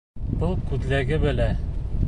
Был күҙлеге бәлә.